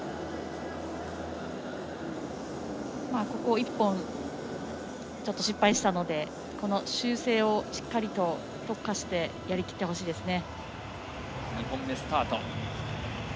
１本、失敗したので修正をしっかり特化してやりきってほしいですね。